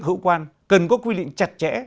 các hữu quan cần có quy định chặt chẽ